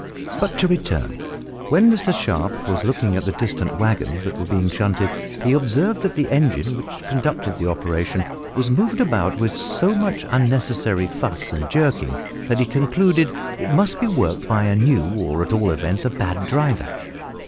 But to return. When Mr Sharp was looking at the distant waggons that were being shunted he observed that the engine which conducted the operation was moved about with so much unnecessary fuss and jerking that he concluded it must be worked by a new, or at all events a bad, driver.